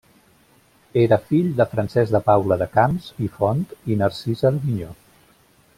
Era fill de Francesc de Paula de Camps i Font i Narcisa d'Avinyó.